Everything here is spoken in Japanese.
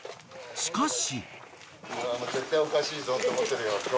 ［しかし］